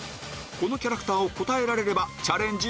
このキャラクターを答えられればチャンレジ